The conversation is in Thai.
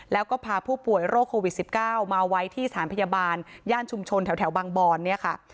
แล้วก็พาผู้ป่วยโรคโควิด๑๙มาไว้ที่สถานพยาบาลย่านชุมชนแถวบางบอนเนี่ยค่ะ